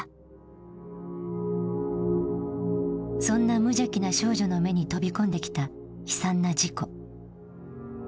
そんな無邪気な少女の目に飛び込んできた悲惨な事故。